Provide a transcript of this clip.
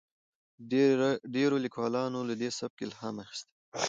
ډیرو لیکوالانو له دې سبک الهام اخیستی دی.